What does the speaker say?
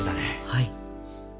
はい。